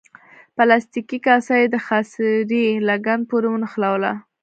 پلاستیکي کاسه یې د خاصرې لګن پورې ونښلوله.